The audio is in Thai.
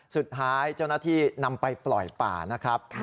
สุดท้ายเจ้าหน้าที่นำไปปล่อยป่านะครับ